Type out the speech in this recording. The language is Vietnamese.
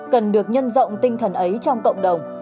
cần được nhân rộng tinh thần ấy trong cộng đồng